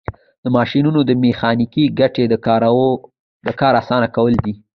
د ماشینونو میخانیکي ګټه د کار اسانه کول دي.